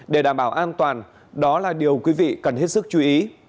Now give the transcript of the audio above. để đảm bảo an toàn đó là điều quý vị cần hết sức chú ý